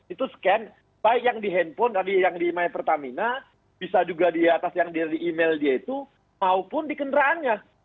itu scan baik yang di handphone tadi yang di my pertamina bisa juga di atas yang di email dia itu maupun di kendaraannya